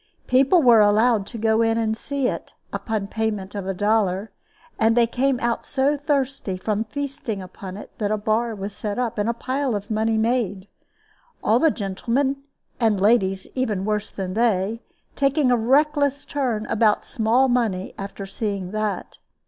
People were allowed to go in and see it upon payment of a dollar, and they came out so thirsty from feasting upon it that a bar was set up, and a pile of money made all the gentlemen, and ladies even worse than they, taking a reckless turn about small money after seeing that.